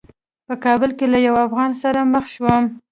په کابل کې له یوه افغان سره مخ شوم.